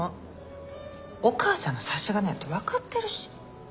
お母さんの差し金やってわかってるし。